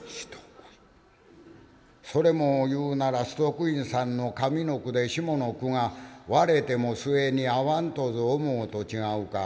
「それも言うなら崇徳院さんの上の句で下の句が『われても末に逢はむとぞ思ふ』と違うか？」。